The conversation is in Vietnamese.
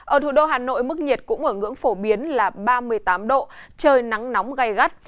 ở thủ đô hà nội mức nhiệt cũng ở ngưỡng phổ biến là ba mươi tám độ trời nắng nóng gai gắt